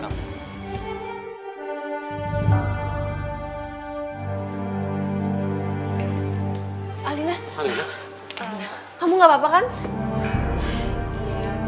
apa hubungannya sama kita